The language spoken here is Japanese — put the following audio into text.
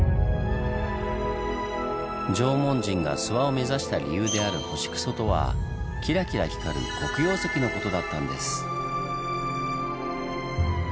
縄文人が諏訪を目指した理由である星糞とはキラキラ光る黒曜石のことだったんです。